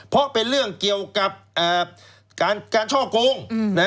เพราะเป็นเรื่องเกี่ยวกับการช่อกง